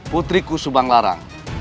putriku subang larang